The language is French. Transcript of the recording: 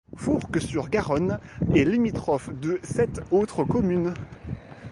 Fourques-sur-Garonne est limitrophe de sept autres communes.